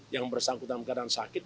yang bersangkutan keadaan sakit